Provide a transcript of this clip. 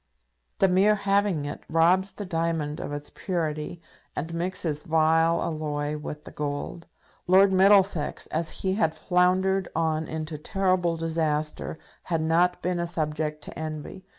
The mere having it robs the diamond of its purity, and mixes vile alloy with the gold. Lord Middlesex, as he had floundered on into terrible disaster, had not been a subject to envy.